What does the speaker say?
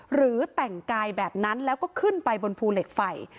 หรือแต่งกายแบบนั้นแล้วก็ขึ้นไปบนภูเหล็กไฟ